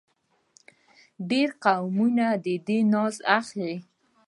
ډېر قومونه دې ناز اخلي.